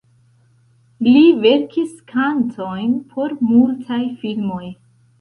Li verkis kantojn por multaj filmoj.